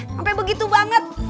sampe begitu banget